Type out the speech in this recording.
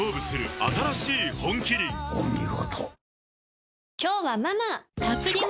お見事。